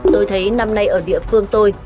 tôi thấy năm nay ở địa phương tôi